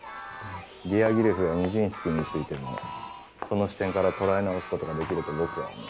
ディアギレフやニジンスキーについてもその視点から捉え直すことができると僕は思う。